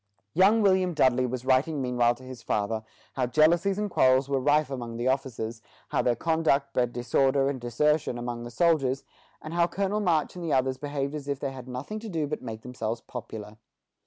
Young William Dudley was writing meanwhile to his father how jealousies and quarrels were rife among the officers, how their conduct bred disorder and desertion among the soldiers, and how Colonel March and others behaved as if they had nothing to do but make themselves popular.